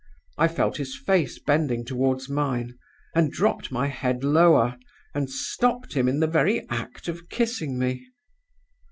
I felt his face bending toward mine, and dropped my head lower, and stopped him in the very act of kissing me.